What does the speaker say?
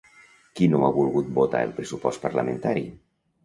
Qui no ha volgut votar el pressupost parlamentari?